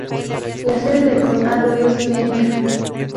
La sede del condado es Media.